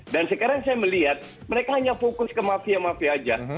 dan sekarang saya melihat mereka hanya fokus ke mafia mafia saja